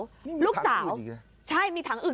นี่มีถังอื่นเหรอลูกสาวใช่มีถังอื่น